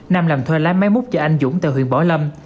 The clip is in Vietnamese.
nam làm thuê lái máy mút cho anh dũng tại huyện bỏ lâm